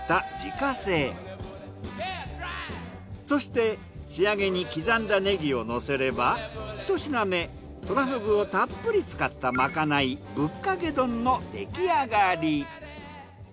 そして仕上げに刻んだネギをのせれば１品目トラフグをたっぷり使ったまかないぶっかけ丼のできあがり。